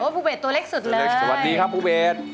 ภูเบสตัวเล็กสุดเลยสวัสดีครับภูเบส